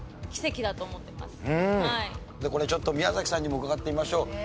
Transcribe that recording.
これちょっと宮崎さんにも伺ってみましょう。